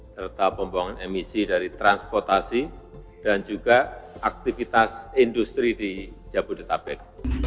serta pembuangan emisi dari transportasi dan juga aktivitas industri di jabodetabek